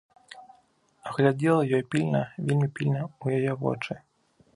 А глядзела ёй пільна, вельмі пільна, у яе вочы.